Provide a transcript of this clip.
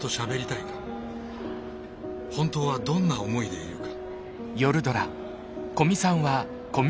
本当はどんな思いでいるか。